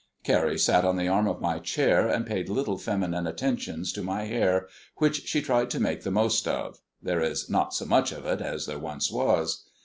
Carrie sat on the arm of my chair, and paid little feminine attentions to my hair, which she tried to make the most of there is not so much of it as there once was.